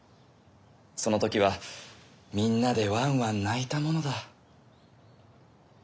その時はみんなでわんわん泣いたものだ。